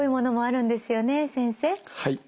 はい。